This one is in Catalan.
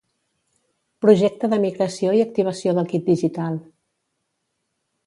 Projecte de migració i activació del kit digital